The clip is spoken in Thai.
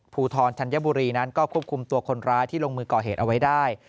ภูทรธัญบุรีนั้นก็ควบคุมตัวคนร้ายที่ลงมือก่อเหตุเอาไว้ได้